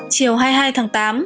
chiều hai mươi hai tháng tám